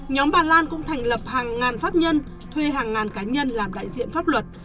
nhóm bà lan cũng thành lập hàng ngàn pháp nhân thuê hàng ngàn cá nhân làm đại diện pháp luật